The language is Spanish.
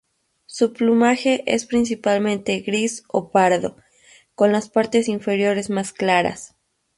Su plumaje es principalmente gris o pardo, con las partes inferiores más claras.